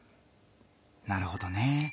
なるほどね。